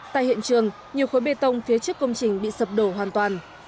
tại hiện trường nhiều khối bê tông phía trước công trình bị sập đổ hoàn toàn